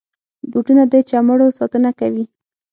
بوټونه د چمړو ساتنه کوي.